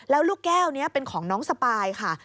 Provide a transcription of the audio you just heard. แล้วลูกแก้วนี้เป็นของน้องสปายค่ะ